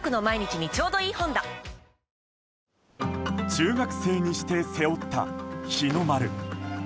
中学生にして背負った日の丸。